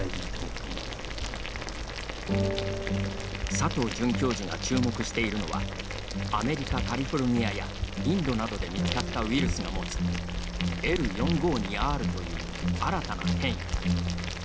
佐藤准教授が注目しているのはアメリカ・カリフォルニアやインドなどで見つかったウイルスが持つＬ４５２Ｒという新たな変異。